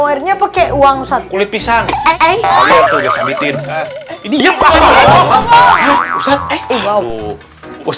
aduh aduh you